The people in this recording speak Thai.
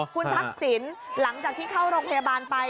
คุณทักษิณหลังจากที่เข้าโรงพยาบาลไป